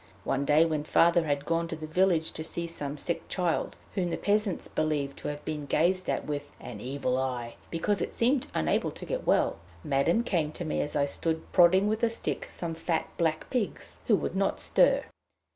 One day when Father had gone to the village to see some sick child whom the peasants believed to have been gazed at with "an evil eye," because it seemed unable to get well, Madame came to me as I stood prodding with a stick some fat black pigs who would not stir.